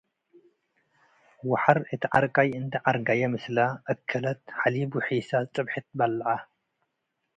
ወሐር እት ዐርቀይ እንዴ ዐርገየ፡ ምስለ እከለት ሐሊብ ወሔሳስ ጽብሕት በለዐ ።